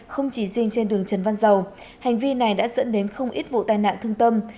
không chỉ riêng trên đường trần văn dầu hành vi này đã dẫn đến không ít vụ tai nạn thương tâm